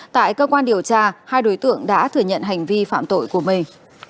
tại cơ quan điều tra hai đối tượng đã thừa nhận hành vi phạm tội của mình